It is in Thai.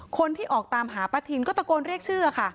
คนที่ออกตามหาป้าทินก็ตะโกนเรียกชื่อค่ะ